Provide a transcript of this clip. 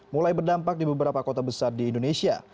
mulai berdampak di beberapa kota besar di indonesia